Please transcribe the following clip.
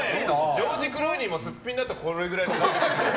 ジョージ・クルーニーもすっぴんだとこれくらいですよね。